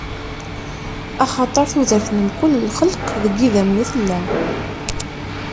Axaṭer tudert n mkul lxelq deg idammen i tella.